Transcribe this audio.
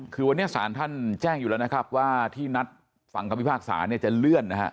คือวันนี้ศาลท่านแจ้งอยู่แล้วนะครับว่าที่นัดฟังคำพิพากษาเนี่ยจะเลื่อนนะฮะ